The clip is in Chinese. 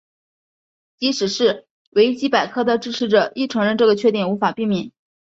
即使是维基百科的支持者亦承认这个缺点无法避免。